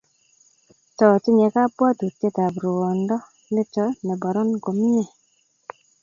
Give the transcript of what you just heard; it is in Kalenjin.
Tootinye kabwotutietab ruondo nito ne boron kurumve